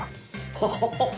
ホホホっ！